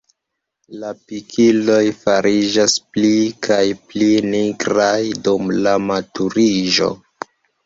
La pikiloj fariĝas pli kaj pli nigraj dum la maturiĝo.